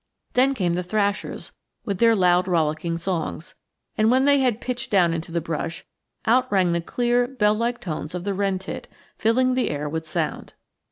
Then came the thrashers, with their loud rollicking songs; and when they had pitched down into the brush, out rang the clear bell like tones of the wren tit, filling the air with sound.